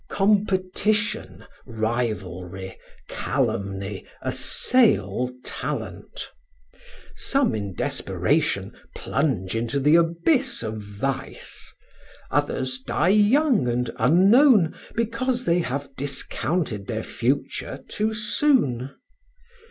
Competition, rivalry, calumny assail talent. Some, in desperation, plunge into the abyss of vice, others die young and unknown because they have discounted their future too soon.